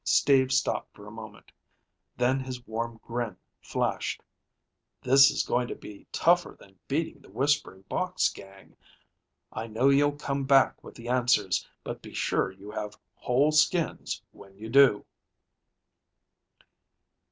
Steve stopped for a moment, then his warm grin flashed. "This is going to be tougher than beating the Whispering Box gang. I know you'll come back with the answers, but be sure you have whole skins when you do!"